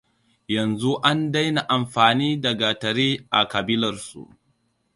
Yanzu an daina amfani da gatari a kabilarsu.